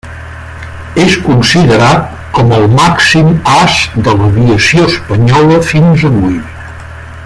És considerat com el màxim as de l'aviació espanyola fins avui.